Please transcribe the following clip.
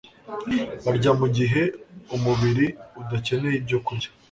Barya mu gihe umubiri udakeneye ibyokurya,